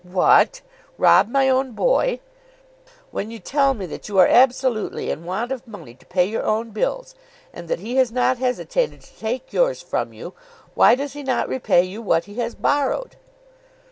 "What; rob my own boy?" "When you tell me that you are absolutely in want of money to pay your own bills, and that he has not hesitated to take yours from you! Why does he not repay you what he has borrowed?"